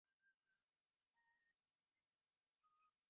তিনি ইস্তানবুলে লেখাপড়া করেছেন।